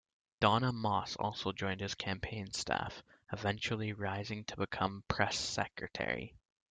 Donna Moss also joined his campaign staff, eventually rising to become press secretary.